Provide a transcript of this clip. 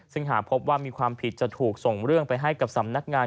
ซึ่งหากพบว่ามีความผิดจะถูกส่งเรื่องไปให้กับสำนักงาน